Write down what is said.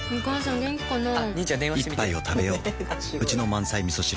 一杯をたべよううちの満菜みそ汁